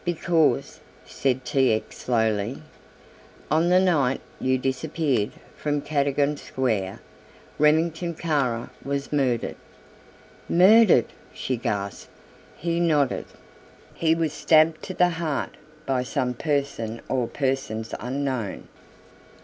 "Because," said T. X. slowly, "on the night you disappeared from Cadogan Square, Remington Kara was murdered." "Murdered," she gasped. He nodded. "He was stabbed to the heart by some person or persons unknown."